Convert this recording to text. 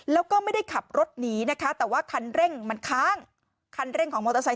แล้วก็ไม่ได้ขับรถหนีนะคะแต่ว่าคันเร่งมันค้างคันเร่งของมอเตอร์ไซค